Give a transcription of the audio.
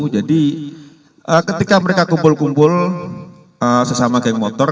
jadi ketika mereka kumpul kumpul sesama geng motor